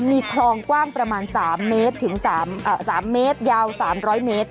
มีคลองกว้างประมาณสามเมตรถึงสามอ่าสามเมตรยาวสามร้อยเมตร